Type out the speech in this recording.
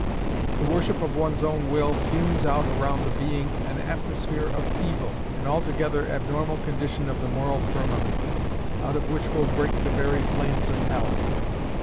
The worship of one's own will fumes out around the being an atmosphere of evil, an altogether abnormal condition of the moral firmament, out of which will break the very flames of hell.